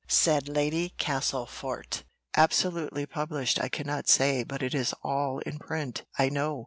said Lady Castlefort. "Absolutely published, I cannot say, but it is all in print, I know.